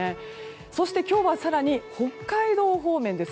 そして今日は更に、北海道方面。